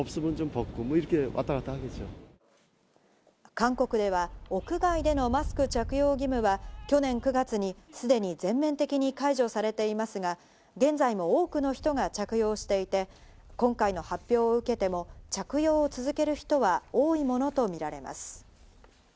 韓国では屋外でのマスク着用義務は去年９月にすでに全面的に解除されていますが、現在も多くの人が着用していて、今回の発表を受けても着用を続ける人は多いものとみられます。